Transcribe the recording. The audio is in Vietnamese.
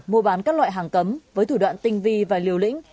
mua bán các loại hàng cấm với thủ đoạn tinh vi và liều lĩnh